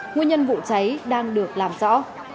nguyên nhân vụ cháy đang được làm rõ